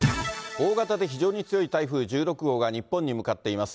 大型で非常に強い台風１６号が日本に向かっています。